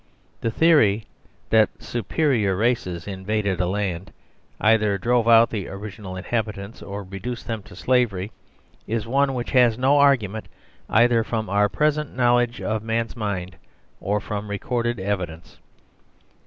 The theory that "superior races" invaded a land, either drove out the original inhabitants or re duced them to slavery, is one which has no argument either from our present knowledge of man's mind or from recorded evidence.